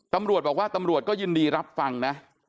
ตำรวจบอกว่าตำรวจก็ยินดีรับฟังนะ